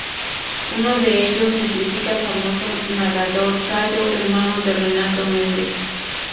Uno de ellos implica el famoso nadador Cayo, hermano de Renato Mendes.